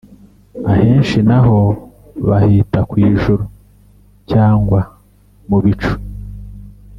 ahenshi naho bahita kw’i-Juru cyangwa mu bicu